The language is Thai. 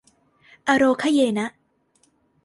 อาโรคะเยนะ